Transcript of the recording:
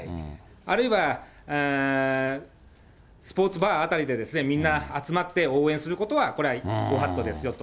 あるいはスポーツバー辺りで、みんな集まって応援することは、これはご法度ですよと。